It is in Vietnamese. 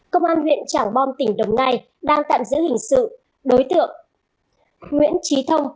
công an huyện trảng bom tỉnh đồng nai đang tạm giữ hình sự đối tượng nguyễn trí thông